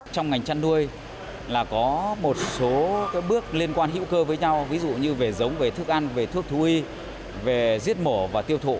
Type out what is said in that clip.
trong ngành chăn nuôi là có một số bước liên quan hữu cơ với nhau ví dụ như về giống về thức ăn về thuốc thú y về giết mổ và tiêu thụ